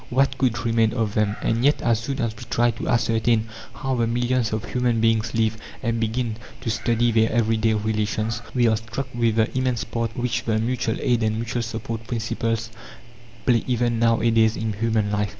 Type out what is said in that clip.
What could remain of them? And yet, as soon as we try to ascertain how the millions of human beings live, and begin to study their everyday relations, we are struck with the immense part which the mutual aid and mutual support principles play even now a days in human life.